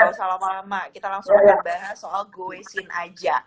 bahwa selama lama kita langsung ngebahas soal goisin aja